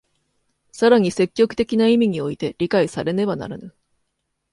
更に積極的な意味において理解されねばならぬ。